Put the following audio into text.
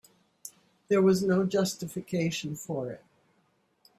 There was no justification for it.